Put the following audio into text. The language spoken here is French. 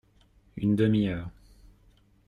Une demi-heure.